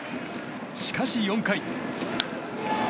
しかし、４回。